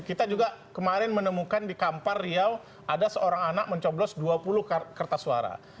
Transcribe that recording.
kita juga kemarin menemukan di kampar riau ada seorang anak mencoblos dua puluh kertas suara